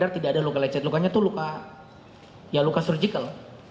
beredar tidak ada luka lecet lukanya itu luka surgikal